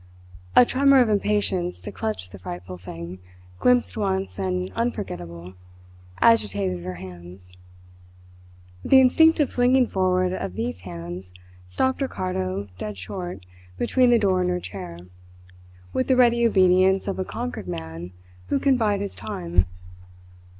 A tremor of impatience to clutch the frightful thing, glimpsed once and unforgettable, agitated her hands. The instinctive flinging forward of these hands stopped Ricardo dead short between the door and her chair, with the ready obedience of a conquered man who can bide his time.